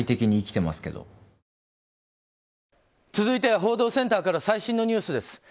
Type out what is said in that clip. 続いては報道センターから最新のニュースです。